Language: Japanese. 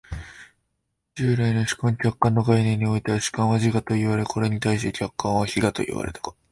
従来の主観・客観の概念においては、主観は自我といわれ、これに対して客観は非我と呼ばれたが、